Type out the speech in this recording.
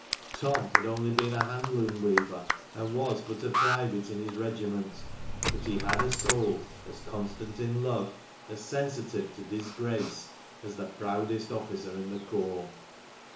Tom had only been a hand loom weaver, and was but a private in his regiment, but 36 THE MANCHESTER MAN. he had a soul as constant in love, as sensitive to disgrace, as the proudest officer in the corps.